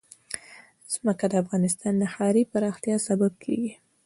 ځمکه د افغانستان د ښاري پراختیا سبب کېږي.